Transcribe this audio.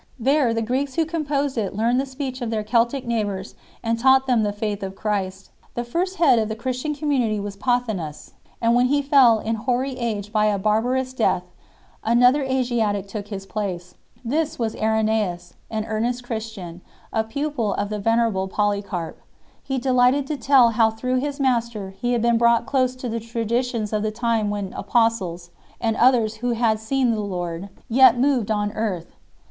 There the Greeks who composed it learned the speech of their Keltic neighbours and taught them the faith of Christ. The first head of the Christian community was Pothinus; and when he fell in hoary age by a bar barous death, another Asiatic took his place. This was Irenjeus 4 , an earnest Christian 5 , a pupil of the venerable Polycarp. He delighted to tell how through his master he had been brought close to the traditions of the time when apostles, and others who had seen the Lord, yet 1 Euseb. H. E. v. 22.